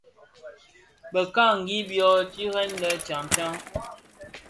Bekangi byo tired lè tyaň tyaň.